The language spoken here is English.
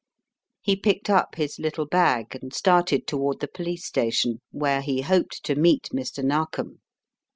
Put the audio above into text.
He picked up his little bag and started toward the police station, where he hoped to meet Mr, Narkom.